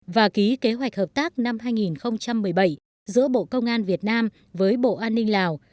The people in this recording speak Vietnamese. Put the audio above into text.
và ký kế hoạch hợp tác năm hai nghìn một mươi bảy giữa bộ công an việt nam với bộ an ninh lào